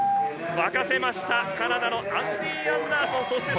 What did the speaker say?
沸かせました、カナダのアンディー・アンダーソン。